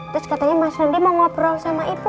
terus katanya mas randy mau ngobrol sama ibu